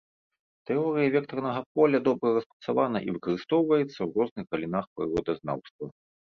Тэорыя вектарнага поля добра распрацавана і выкарыстоўваецца ў розных галінах прыродазнаўства.